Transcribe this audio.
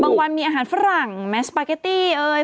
วันมีอาหารฝรั่งแมสสปาเกตตี้เอ่ย